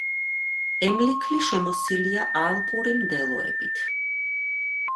ემლიქლი შემოსილია ალპური მდელოებით.